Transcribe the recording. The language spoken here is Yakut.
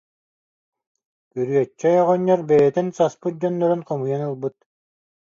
Күрүөччэй оҕонньор бэйэтин саспыт дьоннорун хомуйан ылбыт